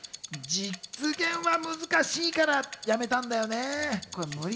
実現は難しいからやめたんだよね。